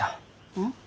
うん？